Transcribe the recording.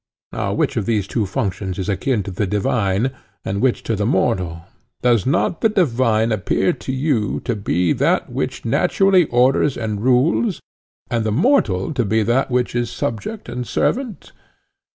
Now which of these two functions is akin to the divine? and which to the mortal? Does not the divine appear to you to be that which naturally orders and rules, and the mortal to be that which is subject and servant?